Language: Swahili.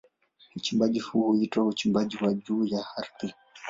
Uchimbaji huu huitwa uchimbaji wa juu ya ardhi.